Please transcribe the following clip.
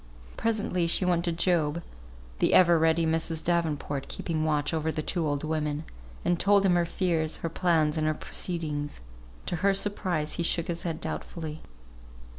Presently she went to Job (the ever ready Mrs. Davenport keeping watch over the two old women), and told him her fears, her plans, and her proceedings. To her surprise he shook his head doubtfully.